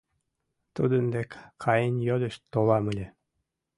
Тудын дек каен йодышт толам ыле.